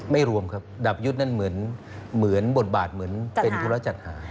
รวมครับดับยุทธ์นั้นเหมือนบทบาทเหมือนเป็นธุระจัดหา